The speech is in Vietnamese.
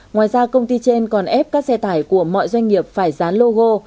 ngoài ra công ty trên còn ép các xe tải của mọi doanh nghiệp phải dán logo